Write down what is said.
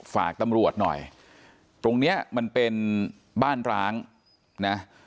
ฝากตำรวจหน่อยตรงเนี้ยมันเป็นบ้านร้างนะ